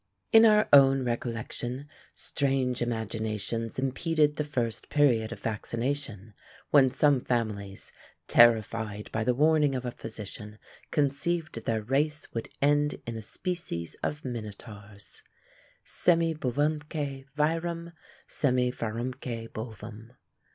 In our own recollection, strange imaginations impeded the first period of vaccination; when some families, terrified by the warning of a physician, conceived their race would end in a species of Minotaurs Semibovemque virum, semivirumque bovem.